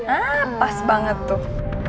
ah pas banget tuh